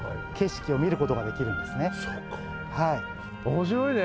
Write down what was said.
面白いね。